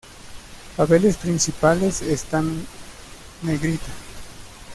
Papeles principales están negrita.